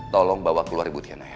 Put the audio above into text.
tolong bawa keluar ibu tiana ya